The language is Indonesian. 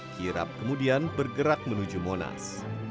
kirap kemudian bergerak menuju monas